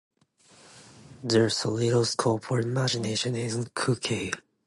There’s so little scope for imagination in cookery.